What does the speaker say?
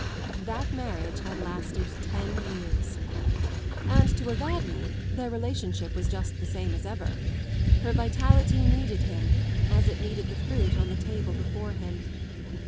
That marriage had lasted ten years. And to Evadne their relationship was just the same as ever. Her vitality needed him as it needed the fruit on the table before him.